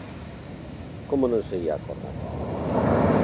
Como non se ía acordar?